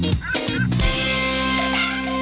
ขาวใส่ไทย